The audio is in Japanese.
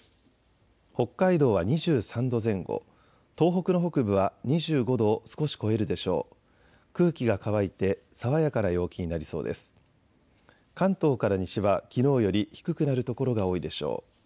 関東から西はきのうより低くなる所が多いでしょう。